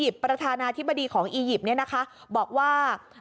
ประธานาธิบดีของอียิปต์บอกว่า